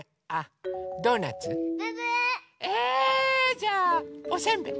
じゃあおせんべい。